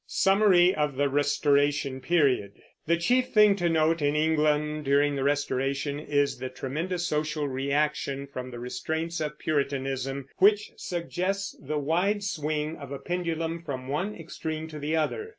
SUMMARY OF THE RESTORATION PERIOD. The chief thing to note in England during the Restoration is the tremendous social reaction from the restraints of Puritanism, which suggests the wide swing of a pendulum from one extreme to the other.